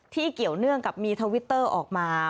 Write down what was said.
เกี่ยวเนื่องกับมีทวิตเตอร์ออกมา